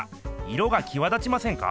色がきわ立ちませんか？